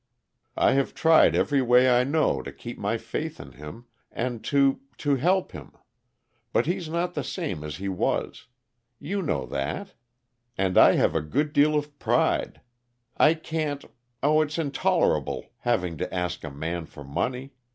I have tried every way I know to keep my faith in him, and to to help him. But he's not the same as he was. You know that. And I have a good deal of pride. I can't oh, it's intolerable having to ask a man for money!